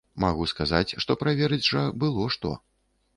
Магу сказаць, што праверыць жа было што.